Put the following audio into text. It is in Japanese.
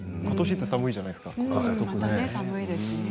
ことしって寒いじゃないですか。